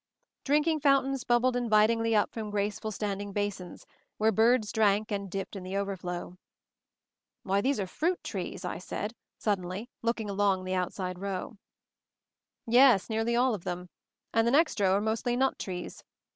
Drinking fountains bubbled invitingly up from graceful standing basins, where birds drank and dipped in the overflow. "Why, these are fruit trees," I said sud denly, looking along the outside row. "Yes, nearly all of them, and the next row are mostly nut trees.